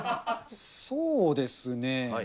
そうですね。